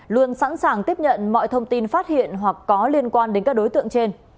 luôn sẵn sàng tiếp nhận mọi thông tin phát hiện hoặc có liên quan đến các đối tượng trên